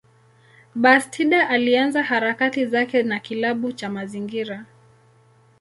Bastida alianza harakati zake na kilabu cha mazingira.